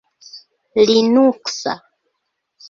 linuksa